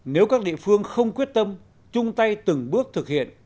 nếu các địa phương không quyết tâm chung tay từng bước thực hiện